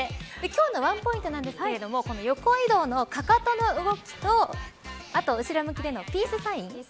今日のワンポイントなんですけれども横移動の、かかとの動きとあと、後ろ向きでのピースサイン